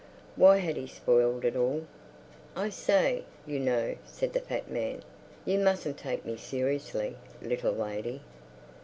Why had he spoiled it all? "I say, you know," said the fat man, "you mustn't take me seriously, little lady."